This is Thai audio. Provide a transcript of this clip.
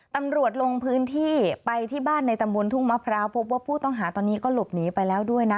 ตำรวจลงพื้นที่ไปที่บ้านในตำบลทุ่งมะพร้าวพบว่าผู้ต้องหาตอนนี้ก็หลบหนีไปแล้วด้วยนะ